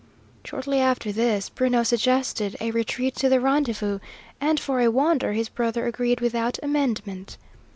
Shortly after this, Bruno suggested a retreat to the rendezvous, and for a wonder his brother agreed without amendment.